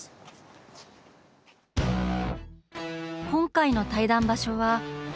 今回の対談場所は。